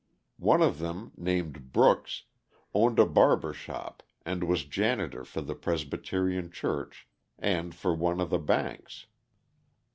One of them, named Brooks, owned a barber shop and was janitor for the Presbyterian Church and for one of the banks.